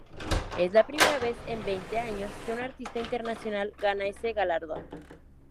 Es la primera vez en veinte años que un artista internacional gana ese galardón.